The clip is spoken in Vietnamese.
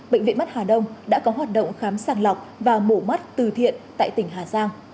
bệnh viện mắt hà đông đã có hoạt động khám sàng lọc và mổ mắt từ thiện tại tỉnh hà giang